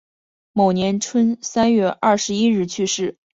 某年春三月二十一日去世。